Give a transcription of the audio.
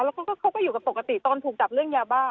แล้วเขาก็อยู่กับปกติตอนถูกจับเรื่องยาบ้า